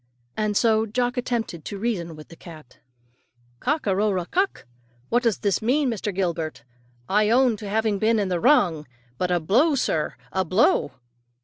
And so Jock attempted to reason with the cat. "Cock a ro ra kuk? What does this mean, Master Gilbert? I own to having been in the wrong; but a blow, sir a blow!"